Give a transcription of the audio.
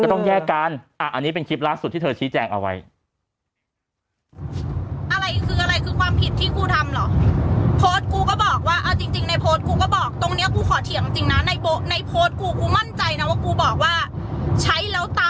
ต้องแยกกันอันนี้เป็นคลิปล่าสุดที่เธอชี้แจงเอาไว้